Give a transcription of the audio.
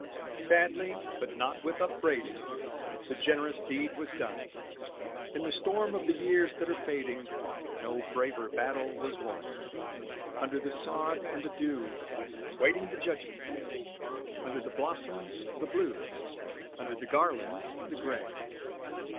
Sadly, but not with upbraiding, The generous deed was done, In the storm of the years that are fading No braver battle was won: Under the sod and the dew, Waiting the judgment day; Under the blossoms, the Blue, Under the garlands, the Gray.